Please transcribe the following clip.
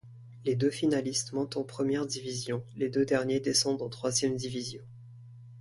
Les deux finalistes montent en Première Division, les deux derniers descendent en Troisième Division.